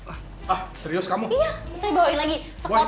ah serius kamu iya saya bawain lagi sekolah